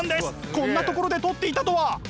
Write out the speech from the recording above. こんなところで撮っていたとは！